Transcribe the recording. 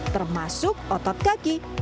termasuk otot kaki